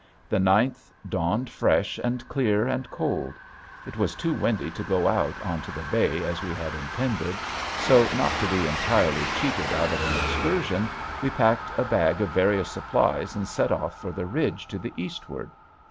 The ninth dawned fresh and clear and cold. It was too windy to go out onto the bay as we had intended, so, not to be entirely cheated out of an excursion, we packed a bag of various supplies and set off for the ridge to the eastward.